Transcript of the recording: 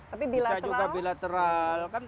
tapi bisa juga bilateral